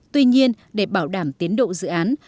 tuy nhiên để bảo đảm tiến độ dự án